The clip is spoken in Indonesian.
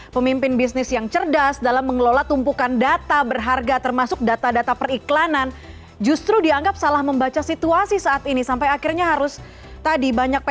pemimpin bisnis yang cerdas dalam mengelola tumpukan data berharga termasuk data data periklanan justru dianggap salah membaca situasi saat ini sampai akhirnya harus tadi banyak pr